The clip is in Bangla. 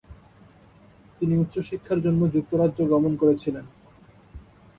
তিনি উচ্চশিক্ষার জন্য যুক্তরাজ্য গমন করেছিলেন।